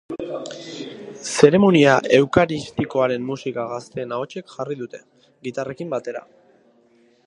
Zeremonia eukaristikoaren musika gazteen ahotsek jarri dute, gitarrekin batera.